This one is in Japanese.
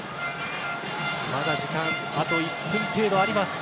まだ時間があと１分程度あります。